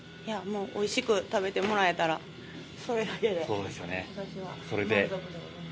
おいしく食べてもらえたらそれだけで満足です。